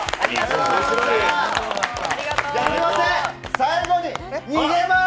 最後に逃げます！